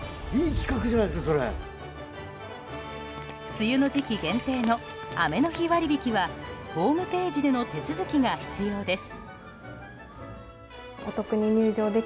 梅雨の時期限定の雨の日割引はホームページでの手続きが必要です。